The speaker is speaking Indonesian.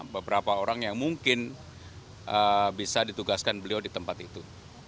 beberapa orang yang mungkin bisa ditugaskan beliau di tempat itu